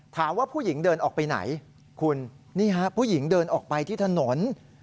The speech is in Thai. ถามว่าผู้หญิงเดินออกไปไหนคุณนี่ฮะผู้หญิงเดินออกไปที่ถนน